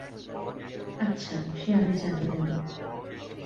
আচ্ছা সে আমি চালিয়ে নেব।